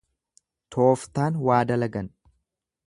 Tooftaan waa dalagan.